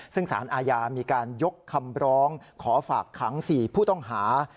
ซึ่งสารอาญามีการยกคำร้องขอฝากขัง๔ผู้ต้องหา